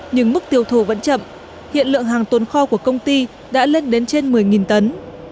nhưng mức tiêu thụ vẫn chậm hiện lượng hàng tồn kho của công ty đã lên đến trên một mươi tấn